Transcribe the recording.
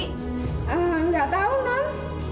enggak tahu non